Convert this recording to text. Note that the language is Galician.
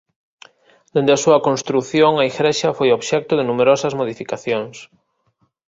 Dende a súa construción a igrexa foi obxecto de numerosas modificacións.